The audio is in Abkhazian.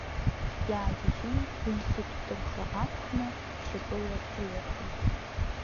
Иаагьежьын, ринститут рхы ақәкны, шьапыла рҿыҩархеит.